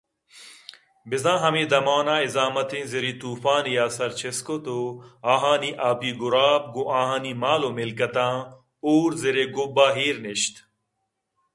بِہ زاں ہمے دمانءَازامتیں زِری طوفانےءَسرچِست کُتءُ آہانی آپی گُراب گوں آہانی مالءُ مِلکتاں ہورزرءِ گُبّءَایر نِشت